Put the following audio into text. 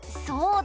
そう？